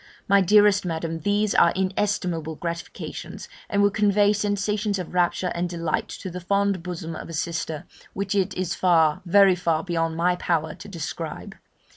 Ah! my dearest Madam, these are inestimable gratifications, and would convey sensations of rapture and delight to the fond bosom of a sister, which it is far, very far beyond my power to describe.